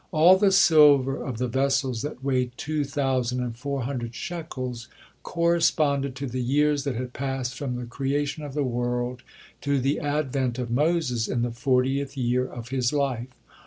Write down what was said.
"All the silver of the vessels that weighed two thousand and four hundred shekels" corresponded to the years that had passed from the creation of the world to the advent of Moses in the fortieth year of his life.